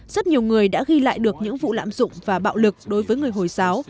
rất nhiều người đã ghi lại được những vụ lạm dụng và bạo lực đối với người hồi giáo